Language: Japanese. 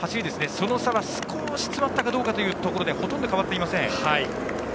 その差は少し詰まったかどうかというところでほとんど変わっていません。